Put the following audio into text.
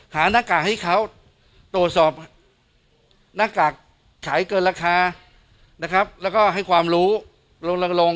หาหน้ากากให้เขาโตรสอบหน้ากากขายเกินราคาให้ความรู้ลง